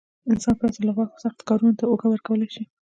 انسان پرته له غوښو سختو کارونو ته اوږه ورکولای شي.